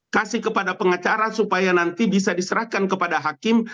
kasih kepada pengacara supaya nanti bisa diserahkan kepada hakim